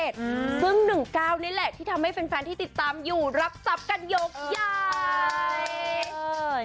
ซึ่ง๑๙นี่แหละที่ทำให้แฟนที่ติดตามอยู่รับทรัพย์กันยกใหญ่